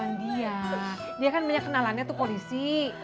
bantuan dia dia kan punya kenalannya tuh polisi